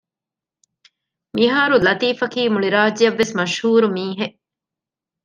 މިހާރު ލަތީފަކީ މުޅި ރާއްޖެއަށްވެސް މަޝްހޫރު މީހެއް